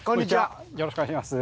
よろしくお願いします。